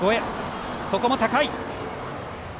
ここも高い。